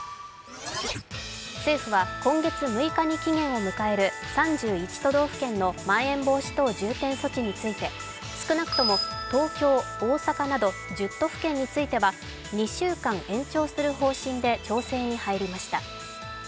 政府は今月６日に期限を迎える３１都道府県のまん延防止等重点措置について少なくとも東京、大阪など１０都府県については２週間延長する方針で調整に入りました。